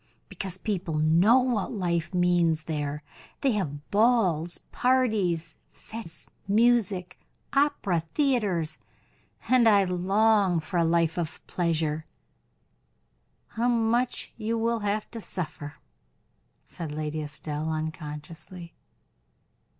"Because people know what life means there. They have balls, parties, fetes, music, operas, theaters, and I long for a life of pleasure." "How much you will have to suffer?" said Lady Estelle, unconsciously.